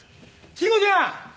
「慎吾ちゃん！」